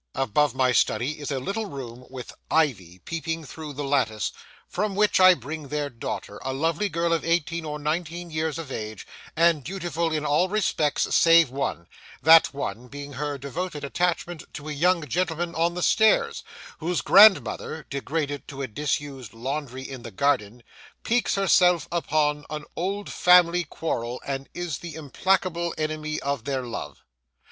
Above my study is a little room with ivy peeping through the lattice, from which I bring their daughter, a lovely girl of eighteen or nineteen years of age, and dutiful in all respects save one, that one being her devoted attachment to a young gentleman on the stairs, whose grandmother (degraded to a disused laundry in the garden) piques herself upon an old family quarrel, and is the implacable enemy of their love.